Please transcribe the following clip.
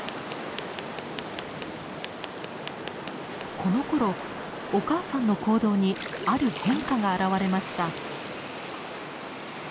このころお母さんの行動にある変化が表れました。